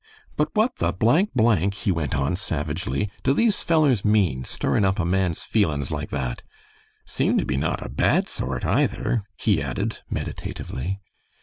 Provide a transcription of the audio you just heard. "But what the blank blank," he went on, savagely, "do these fellers mean, stirring up a man's feelin's like that? Seem to be not a bad sort, either," he added, meditatively.